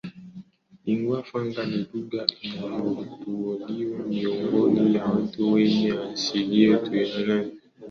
Lingua Franka ni lugha inayoteuliwa miongoni watu wenye asili tofauti wasiozungumza lugha moja ili iwe lugha ya kuwaunganisha katika shughuli rasmi au za kibiashara.